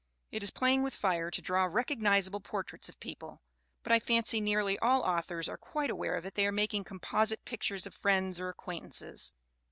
It is playing with fire to draw recognizable portraits of people; but I fancy nearly all authors are quite aware that they are making composite pictures of friends or acquaintances.